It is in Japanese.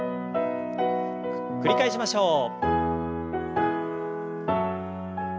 繰り返しましょう。